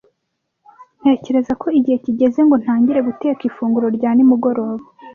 Ntekereza ko igihe kigeze ngo ntangire guteka ifunguro rya nimugoroba.